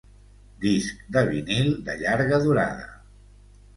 Disc de vinil de llarga durada.